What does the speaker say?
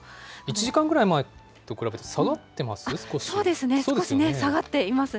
１時間ぐらい前と比べて下がってます？